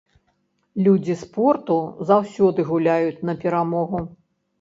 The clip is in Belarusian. Людзі спорту заўсёды гуляюць на перамогу.